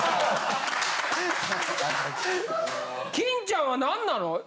金ちゃんは何なの？